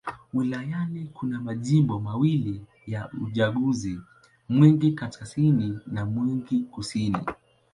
Wilayani kuna majimbo mawili ya uchaguzi: Mwingi Kaskazini na Mwingi Kusini.